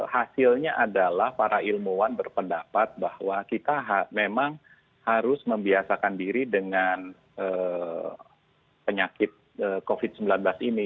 hasilnya adalah para ilmuwan berpendapat bahwa kita memang harus membiasakan diri dengan penyakit covid sembilan belas ini